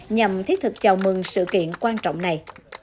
nhằm thiết thực chào mừng sự kiện quan trọng này